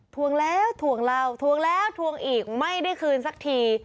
วงแล้วทวงเราทวงแล้วทวงอีกไม่ได้คืนสักที